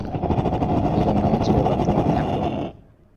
এজন্য আমি চিরকাল তোমার থাকব।